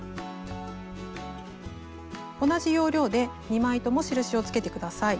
同じ要領で２枚とも印をつけて下さい。